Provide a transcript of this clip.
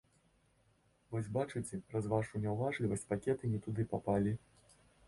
Вось бачыце, праз вашу няўважлівасць пакеты не туды папалі.